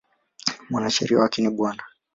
Mwanasheria wake Bw.